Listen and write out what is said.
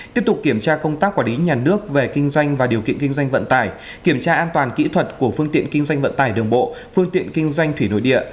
tiếp tục kiểm tra công tác quản lý nhà nước về kinh doanh và điều kiện kinh doanh vận tải kiểm tra an toàn kỹ thuật của phương tiện kinh doanh vận tải đường bộ phương tiện kinh doanh thủy nội địa